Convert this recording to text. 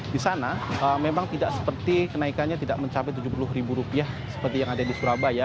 di sana memang tidak seperti kenaikannya tidak mencapai rp tujuh puluh ribu rupiah seperti yang ada di surabaya